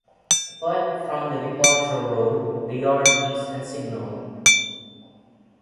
Apart from the departure road, the yard is unsignalled.